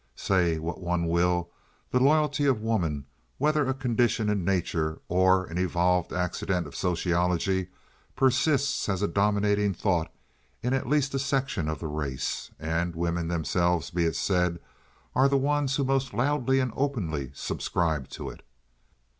Say what one will, the loyalty of woman, whether a condition in nature or an evolved accident of sociology, persists as a dominating thought in at least a section of the race; and women themselves, be it said, are the ones who most loudly and openly subscribe to it.